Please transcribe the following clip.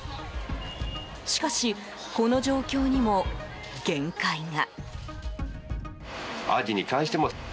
しかし、この状況にも限界が。